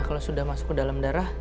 kalau sudah masuk ke dalam darah